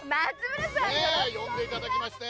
呼んでいただきまして。